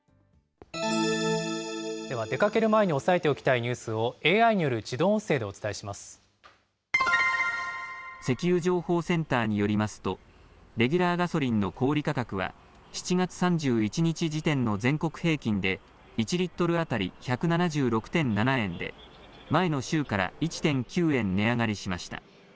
では、出かける前に押さえておきたいニュースをＡＩによる自動音声でお石油情報センターによりますと、レギュラーガソリンの小売り価格は、７月３１日時点の全国平均で、１リットル当たり１７６．７円で、前の週から１．９円値上がりしました。